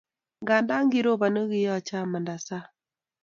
Nganda kiroponi ko kiyochei amanda sang